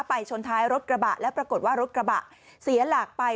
ชนท้ายรถกระบะและปรากฏว่ารถกระบะเสียหลักไป